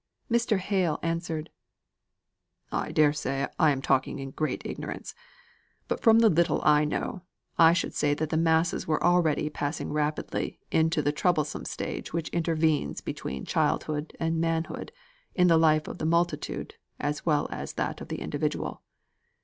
Mr. Hale answered "I dare say I am talking in great ignorance; but from the little I know, I should say that the masses were already passing rapidly into the troublesome stage which intervenes between childhood and manhood, in the life of the multitude as well as that of the individual.